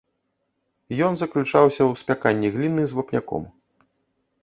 Ён заключаўся ў спяканні гліны з вапняком.